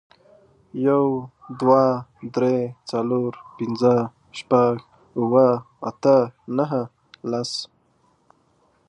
یو، دوه، درې، څلور، پنځه، شپږ، اوه، اته، نهه، لس.